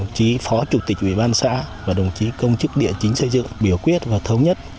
đồng chí phó chủ tịch ủy ban xã và đồng chí công chức địa chính xây dựng biểu quyết và thống nhất